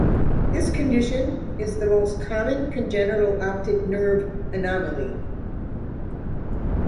This condition is the most common congenital optic nerve anomaly.